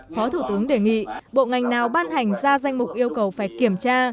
phó thủ tướng đề nghị bộ ngành nào ban hành ra danh mục yêu cầu phải kiểm tra